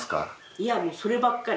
いやもうそればっかり。